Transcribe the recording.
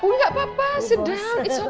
enggak apa apa duduk saja